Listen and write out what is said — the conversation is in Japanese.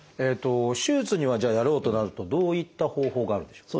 手術にはじゃあやろうとなるとどういった方法があるんでしょう？